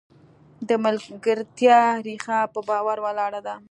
د ملګرتیا ریښه په باور ولاړه ده.